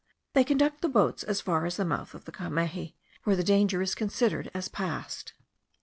They conduct the boats as far as the mouth of the Cameji, where the danger is considered as past.